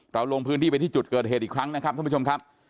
ลงพื้นที่ไปที่จุดเกิดเหตุอีกครั้งนะครับท่านผู้ชมครับ